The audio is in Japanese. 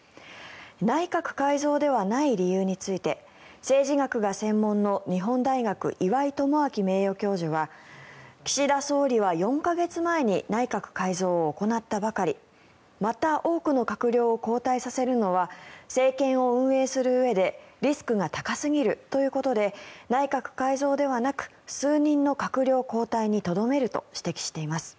内閣改造ではない理由について政治学が専門の日本大学岩井奉信名誉教授は岸田総理は４か月前に内閣改造を行ったばかりまた多くの閣僚を交代させるのは政権を運営するうえでリスクが高すぎるということで内閣改造ではなく数人の閣僚交代にとどめると指摘しています。